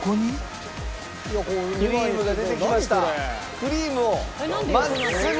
クリームを真っすぐ。